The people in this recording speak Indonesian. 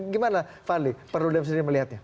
gimana fadli perlu demikian melihatnya